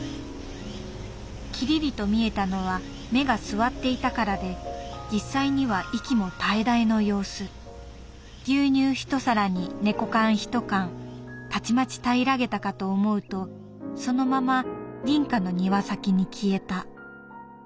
きりりと見えたのは目が据わっていたからで実際には息も絶え絶えの様子牛乳一皿に猫缶一缶たちまちたいらげたかと思うとそのまま隣家の庭先に消えた。